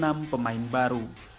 dan enam pemain baru